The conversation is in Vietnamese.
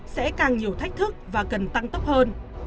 sẽ càng nhiều thách thức và cần tăng tốc hơn